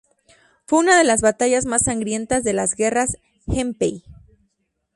Fue una de las batallas más sangrientas de las Guerras Genpei.